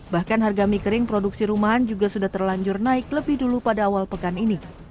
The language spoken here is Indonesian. bahkan harga mie kering produksi rumahan juga sudah terlanjur naik lebih dulu pada awal pekan ini